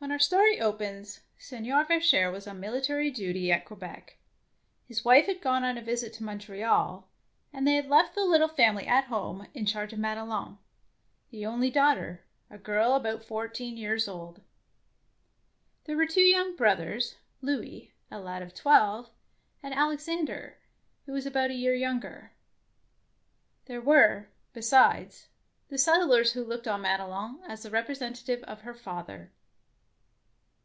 When our story opens, Seignior Ver cheres was on military duty at Quebec, his wife had gone on a visit to Mon treal, and they had left the little family at home in charge of Madelon, the only daughter, a girl about four 7 97 DEEDS OF D AEING teen years old. There were two young brothers, — Louis, a lad of twelve, and Alexander, who was about a year younger. There were, besides, the set tlers who looked on Madelon as the representative of her father.